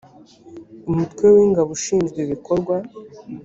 umutwe w ingabo ushinzwe ibikorwa